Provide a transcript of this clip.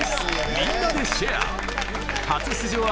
みんなでシェア！」！